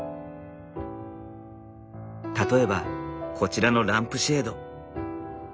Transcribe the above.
例えばこちらのランプシェード。